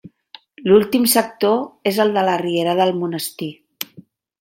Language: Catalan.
L'últim sector és el de la Riera del Monestir.